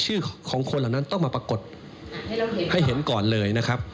ชื่อของคนเหล่านั้นต้องมาปรากฏให้เห็นก่อนเลยนะครับ